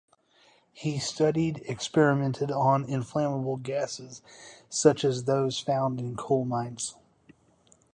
He studied experimented on inflammable gases such as those found in coal mines.